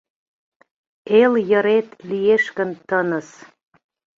Эл йырет лиеш гын тыныс